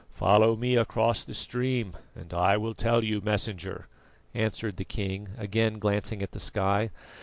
"Follow me across the stream and I will tell you, Messenger," answered the king, again glancing at the sky.